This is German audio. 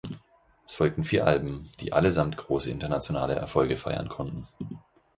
Es folgten vier Alben, die allesamt große internationale Erfolge feiern konnten.